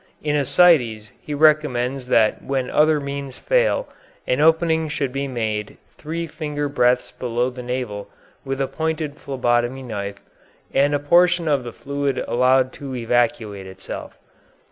In ascites he recommends that when other means fail an opening should be made three finger breadths below the navel with a pointed phlebotomy knife, and a portion of the fluid allowed to evacuate itself.